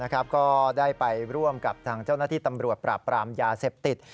ก็ได้ไปร่วมกับทางเจ้าหน้าที่ตำรวจปราบปรามยาเสพติด